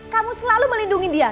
kamu selalu melindungi dia